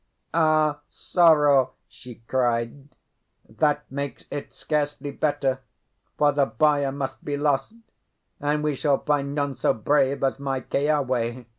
Ah! sorrow!" she cried, "that makes it scarcely better, for the buyer must be lost, and we shall find none so brave as my Keawe!